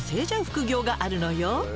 副業があるのよ。